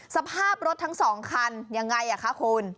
สภาพรถทั้ง๒คันยังไงคะคุณ